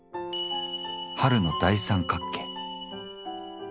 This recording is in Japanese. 春の大三角形。